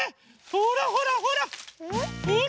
ほらほらほら！